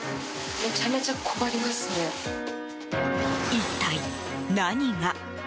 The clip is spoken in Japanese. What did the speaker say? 一体何が？